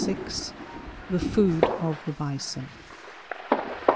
THE FOOD OF THE BISON.